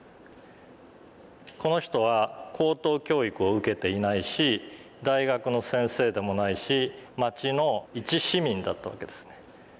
この人は高等教育を受けていないし大学の先生でもないし街の一市民だったわけですね。